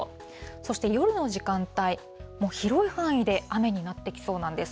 そして夜の時間帯、広い範囲で雨になってきそうなんです。